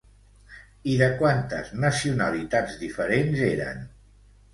I de quantes nacionalitats diferents eren?